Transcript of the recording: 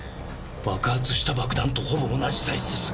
爆発した爆弾とほぼ同じサイズです。